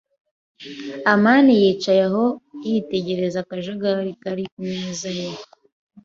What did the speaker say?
amani yicaye aho, yitegereza akajagari kari ku meza ye.